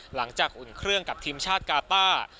หลังจากอุ่นเครื่องกับทีมชาติการ์ต้า